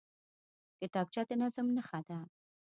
کتابچه د نظم نښه ده